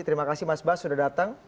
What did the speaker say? terima kasih mas bas sudah datang